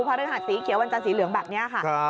พระฤหัสสีเขียวอัฐรายณ์สีเหลืองแบบนี้ค่ะ